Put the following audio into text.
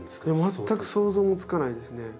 全く想像もつかないですね。